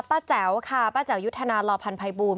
แจ๋วค่ะป้าแจ๋วยุทธนาลอพันธัยบูรณ